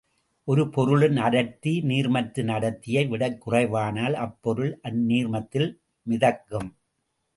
ஒரு பொருளின் அடர்த்தி நீர்மத்தின் அடர்த்தியை விடக் குறைவானால், அப்பொருள் அந்நீர்மத்தில் மிதக்கும்.